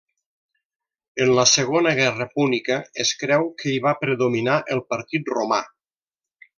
En la Segona Guerra púnica, es creu que hi va predominar el partit romà.